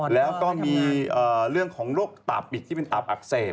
แล้วก็มีเรื่องของโรคตับบิดที่เป็นตับอักเสบ